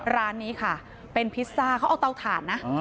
ร้านนี้ค่ะเป็นพิซซ่าเขาเอาเตาถ่านนะ